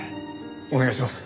お願いします。